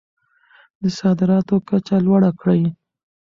د صادراتو کچه لوړه کړئ.